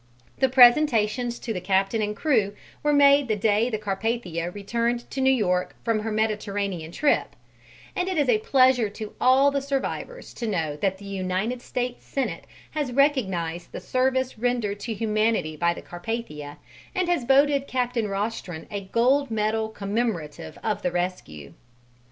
The presentations to the captain and crew were made the day the Carpathia returned to New York from her Mediterranean trip, and it is a pleasure to all the survivors to know that the United States Senate has recognized the service rendered to humanity by the Carpathia and has voted Captain Rostron a gold medal commemorative of the rescue.